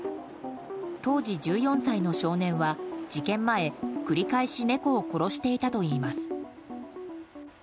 当時１４歳の少年は事件前繰り返し猫を殺していたといいます。